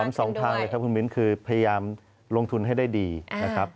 สองทางเลยครับคุณมิ้นคือพยายามลงทุนให้ได้ดีนะครับ